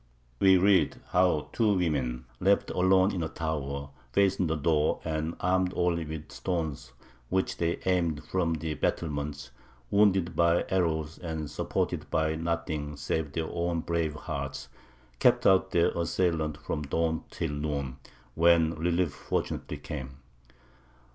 We read how two women, left alone in a tower, fastened the door, and armed only with stones which they aimed from the battlements, wounded by arrows, and supported by nothing save their own brave hearts, kept out their assailants from dawn till noon, when relief fortunately came.